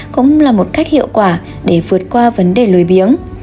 cũng là một cách hiệu quả để vượt qua vấn đề lời biếng